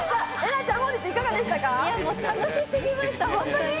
楽しすぎました！